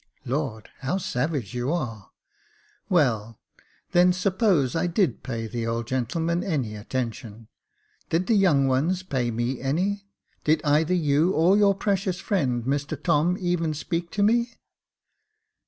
" Lord, how savage you are ! Well, then suppose I did pay the old gentleman any attention. Did the young ones pay me any .'' Did either you, or your precious friend, Mr Tom, even speak to me